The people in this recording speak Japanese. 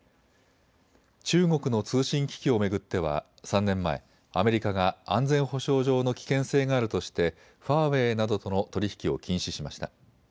中国の通信機器を巡っては３年前アメリカが安全保障上の危険性があるとしてファーウェイなどとの取り引きを禁止しました。